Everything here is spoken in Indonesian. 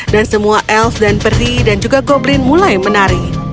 semua els dan peri dan juga goblin mulai menari